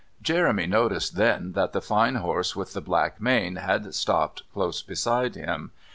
Jeremy noticed then that the fine horse with the black mane had stopped close beside him.